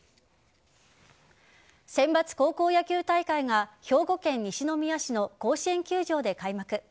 選抜高校野球大会が兵庫県西宮市の甲子園球場で開幕。